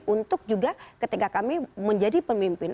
untuk juga ketika kami menjadi pemimpin